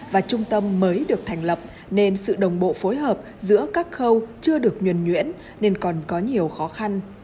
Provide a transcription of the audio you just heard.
và trung tâm mới được thành lập nên sự đồng bộ phối hợp giữa các khâu chưa được nhuẩn nhuyễn nên còn có nhiều khó khăn